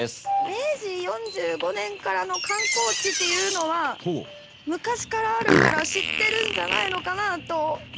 明治４５年からの観光地っていうのは昔からあるから知ってるんじゃないのかなと。